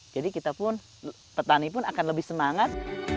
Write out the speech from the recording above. jadi kita pun petani pun akan lebih semangat